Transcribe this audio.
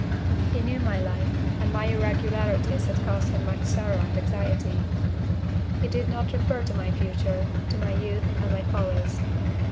He knew my life, and my irregularities had caused him much sorrow and anxiety. He did not refer to my future, to my youth and my follies.